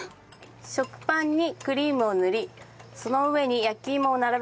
食パンにクリームを塗りその上に焼き芋を並べてください。